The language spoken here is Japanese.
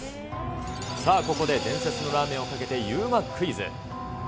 さあ、ここで伝説のラーメンをかけてＵＭＡクイズ。